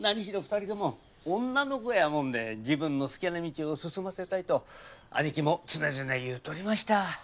２人とも女の子やもんで自分の好きな道を進ませたいと兄貴も常々言うとりました。